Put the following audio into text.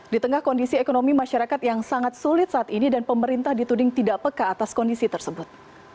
di tengah kondisi ekonomi masyarakat yang sangat sulit saat ini dan pemerintah dituding tidak peka atas kondisi tersebut